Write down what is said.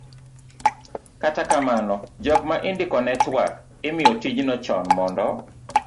kata kamano, jok ma indikone twak imiyo tijno chon mondo